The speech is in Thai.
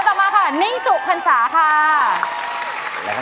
ต่อมาค่ะนิ่งสุพรรษาค่ะ